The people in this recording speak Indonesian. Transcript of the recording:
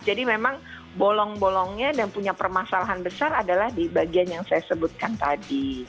jadi memang bolong bolongnya dan punya permasalahan besar adalah di bagian yang saya sebutkan tadi